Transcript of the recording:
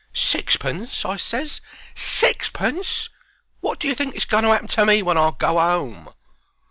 "Sixpence!" I ses. "SIXPENCE!" Wot do you think is going to 'appen to me when I go 'ome?"